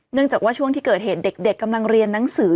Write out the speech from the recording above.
จากว่าช่วงที่เกิดเหตุเด็กกำลังเรียนหนังสือ